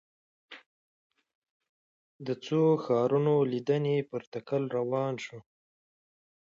د څو ښارونو لیدنې په تکل روان شوو.